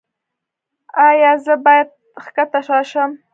ایا زه باید ښکته راشم؟